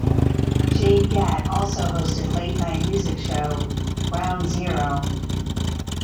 Jade Gatt also hosted late night music show "Ground Zero".